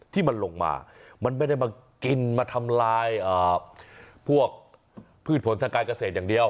ที่มันลงมามันไม่ได้มากินมาทำลายพวกพืชผลทางการเกษตรอย่างเดียว